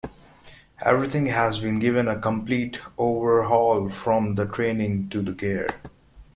Everything has been given a complete overhaul from the training to the gear.